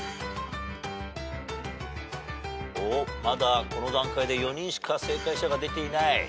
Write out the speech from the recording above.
まだこの段階で４人しか正解者が出ていない。